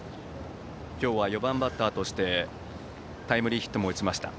今日は４番バッターとしてタイムリーヒットも打ちました。